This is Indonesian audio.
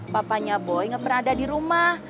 papahnya boy nggak pernah ada di rumah